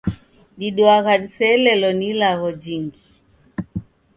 Diduagha diseelelo ni ilagho jingi.